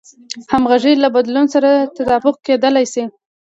همغږي له بدلون سره تطابق کېدل دي.